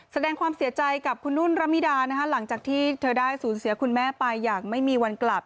แสดงความเสียใจกับคุณนุ่นระมิดานะคะหลังจากที่เธอได้สูญเสียคุณแม่ไปอย่างไม่มีวันกลับ